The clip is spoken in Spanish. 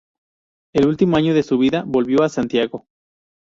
El último año de su vida volvió a Santiago.